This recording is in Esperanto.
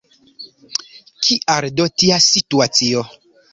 Kial do tia situacio?